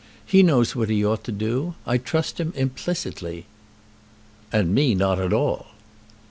He knows what he ought to do. I trust him implicitly." "And me not at all."